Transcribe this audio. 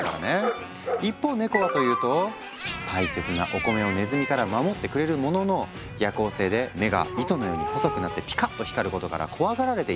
一方ネコはというと大切なお米をネズミから守ってくれるものの夜行性で目が糸のように細くなってピカッと光ることから怖がられていたんだ。